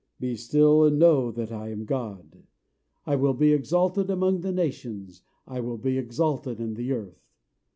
Be still, and know that I am God: I will be exalted among the nations, I will be exalted in the earth.